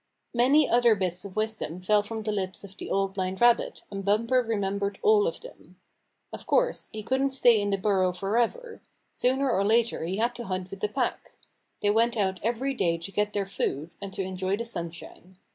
Many other bits of wisdom fell from the lips of the Old Blind Rabbit, and Bumper remem bered all of them. Of course, he couldn't stay in the burrow for ever. Sooner or later he had to hunt with the pack. They went out every day to get their food, and to enjoy the sunshine.